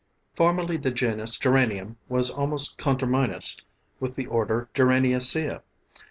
Formerly the genus Geranium was almost conterminous with the order Geraniaceae.